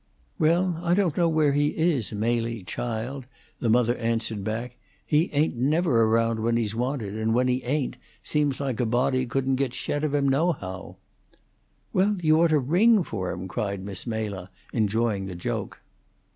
"Well, I don't know where he is, Mely, child," the mother answered back. "He ain't never around when he's wanted, and when he ain't, it seems like a body couldn't git shet of him, nohow." "Well, you ought to ring for him!" cried Miss Mela, enjoying the joke.